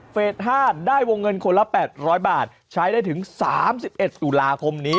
๕ได้วงเงินคนละ๘๐๐บาทใช้ได้ถึง๓๑ตุลาคมนี้